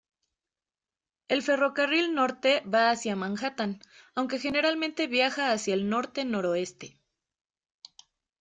El ferrocarril norte va hacia Manhattan, aunque generalmente viaja hacia el norte-noroeste.